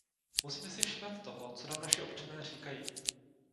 Musíme si všímat toho, co nám naši občané říkají.